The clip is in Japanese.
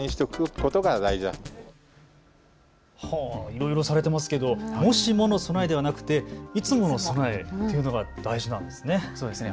いろいろされていますが、もしもの備えではなくいつもの備えというのが大事なんですね。